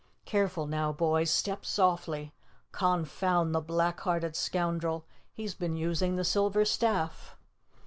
Careful now, boys, step softly! Confound the black hearted scoundrel! He's been using the silver staff."